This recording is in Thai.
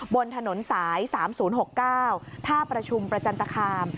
บนถนนสาย๓๐๖๙ท่าประชุมประจันตคาม